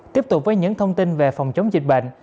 tiếp tục với những thông tin về phòng chống dịch bệnh